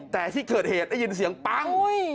แต่ที่เกิดเหตุได้ยินเสียงปั้ง